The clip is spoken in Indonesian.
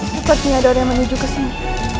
bupati ada orang yang menuju ke sini